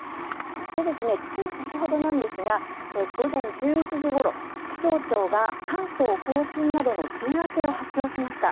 そして、つい先ほどなんですが午前１１時ごろ気象庁が関東・甲信などの梅雨明けを発表しました。